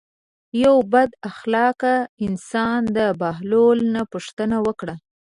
یو بد اخلاقه انسان د بهلول نه پوښتنه وکړه.